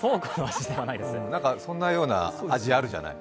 そんなような味あるじゃない？